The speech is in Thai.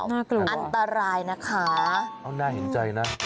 น่ากลัวอันตรายนะคะเอาน่าเห็นใจนะ